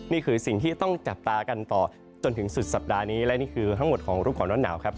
นี่คือสิ่งที่ต้องจับตากันต่อจนถึงสุดสัปดาห์นี้และนี่คือทั้งหมดของรูปก่อนร้อนหนาวครับ